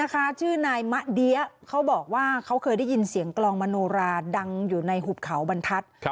ชื่อนายมะเดี้ยเขาบอกว่าเขาเคยได้ยินเสียงกลองมโนราดังอยู่ในหุบเขาบรรทัศน์